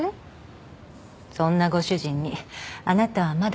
そんなご主人にあなたはまだときめける？